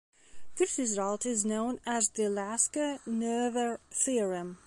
This result is known as the Lasker-Noether theorem.